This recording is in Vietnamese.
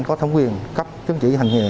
có thống quyền cấp chứng chỉ hành nghề